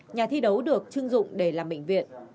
nhà thi đấu được chưng dụng để làm bệnh viện